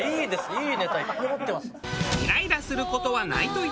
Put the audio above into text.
いいネタいっぱい持ってます。